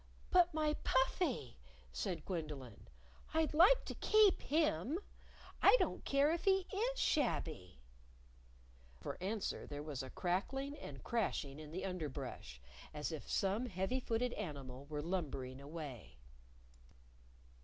"But my Puffy!" said Gwendolyn. "I'd like to keep him. I don't care if he is shabby." For answer there was a crackling and crashing in the underbrush, as if some heavy footed animal were lumbering away.